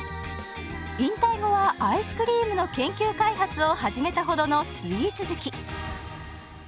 引退後はアイスクリームの研究開発を始めたほどのスイーツ好き。